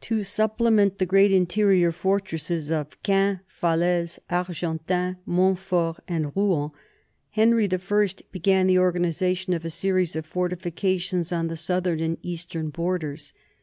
To supplement the great interior fortresses of Caen, Falaise, Argentan, Montfort, and Rouen, Henry I began the organization of a series of fortifications on the southern and eastern borders.